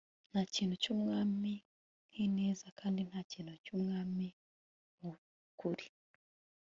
nta kintu cy'umwami nk'ineza, kandi nta kintu cy'umwami nk'ukuri